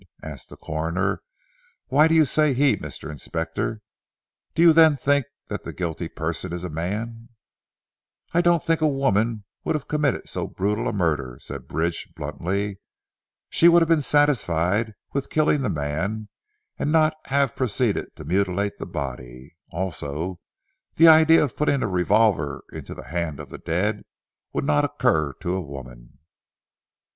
asked the Coroner, "why do you say 'he' Mr. Inspector? Do you then think that the guilty person is a man?" "I don't think a woman would have committed so brutal a murder," said Bridge bluntly. "She would have been satisfied with killing the man, and not have proceeded to mutilate the body. Also the idea of putting a revolver into the hand of the dead would not occur to a woman."